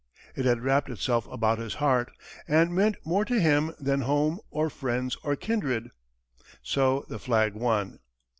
It had wrapped itself about his heart, and meant more to him than home or friends or kindred. So the flag won.